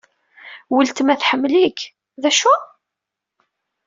Weltma tḥemmel-ik. D acu?